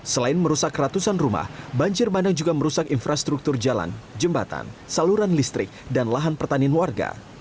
selain merusak ratusan rumah banjir bandang juga merusak infrastruktur jalan jembatan saluran listrik dan lahan pertanian warga